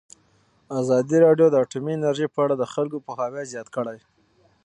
ازادي راډیو د اټومي انرژي په اړه د خلکو پوهاوی زیات کړی.